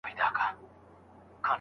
د طبیعي علومو څېړنه ځانګړی ارزښت لري.